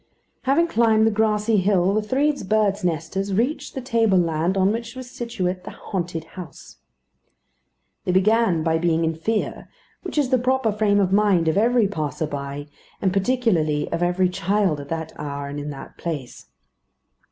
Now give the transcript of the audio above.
Having climbed the grassy hill, the three birds' nesters reached the tableland on which was situate the haunted house. They began by being in fear, which is the proper frame of mind of every passer by; and particularly of every child at that hour and in that place.